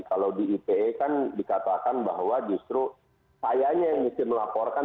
kalau di ipe kan dikatakan bahwa justru sayanya yang mesti melaporkan